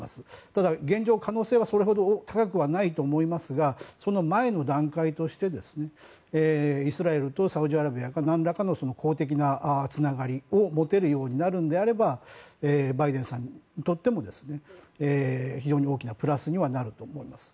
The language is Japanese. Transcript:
ただ現状、可能性はそれほど高くないと思いますがその前の段階としてイスラエルとサウジアラビアが何らかの公的なつながりを持てるようになるのであればバイデンさんにとっても非常に大きなプラスにはなると思います。